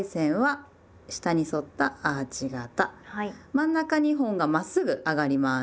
真ん中２本がまっすぐ上がります。